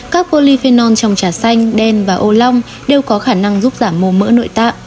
các polyphenol trong trà xanh đen và ô long đều có khả năng giúp giảm mồ mỡ nội tạng